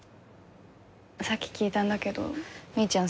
さっき聞いたんだけどみーちゃん